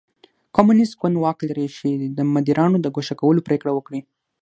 کمونېست ګوند واک لري چې د مدیرانو د ګوښه کولو پرېکړه وکړي.